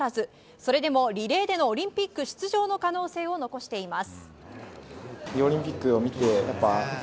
それでもリレーでのオリンピック出場の可能性を残しています。